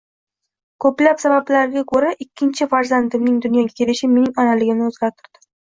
Ko‘plab sabablarga ko‘ra ikkinchi fanzandimning dunyoga kelishi mening onaligimni o‘zgartirdi.